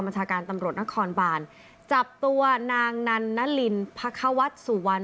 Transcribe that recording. อทหารตำรวจนักครรบารจับตัวนางนัลณลิ้นพะควัตสู่วัล